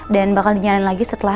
dan bakal dinyalen lagi setelah